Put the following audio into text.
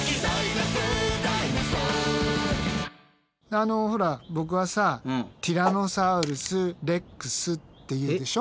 あのほらボクはさティラノサウルス・レックスっていうでしょ。